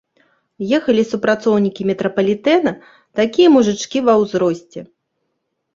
Ехалі супрацоўнікі метрапалітэна, такія мужычкі ва ўзросце.